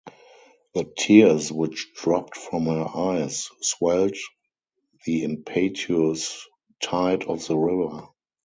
The tears which dropped from her eyes swelled the impetuous tide of the river.